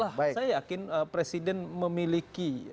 maka tetaplah saya yakin presiden memiliki